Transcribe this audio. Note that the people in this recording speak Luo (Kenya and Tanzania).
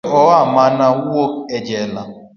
Noyudo oa mana wuok e jela.